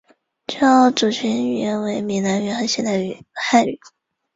而距离地球足够远的光源的红移就会显示出速度增加率和地球距离的关系。